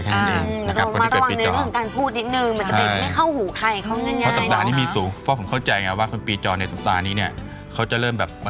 รวังด้วยกันเป็นการพูดนิดนึงเหมือนจะไปได้ข้าวหูใคร